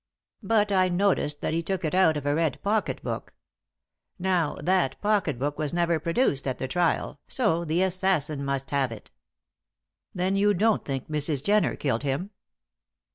But I noticed that he took it out of a red pocket book. Now, that pocket book was never produced at the trial, so the assassin must have it." "Then you don't think Mrs. Jenner killed him?"